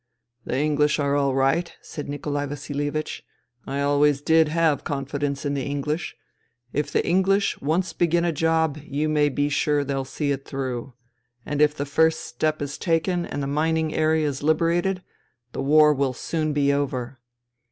" The English are all right," said Nikolai Vasil ievich. " I always did have confidence in the English. If the English once begin a job you may be sure they'll see it through. And if the first step is taken and the mining area is liberated, the war will soon be over."